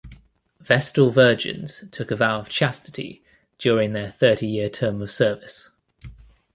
Vestal Virgins took a vow of chastity during their thirty-year term of service.